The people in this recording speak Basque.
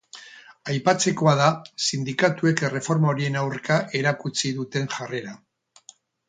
Aipatzekoa da sindikatuek erreforma horien aurka erakutsi duten jarrera.